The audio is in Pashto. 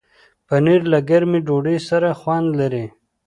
پنېر له ګرمې ډوډۍ سره خوند لري.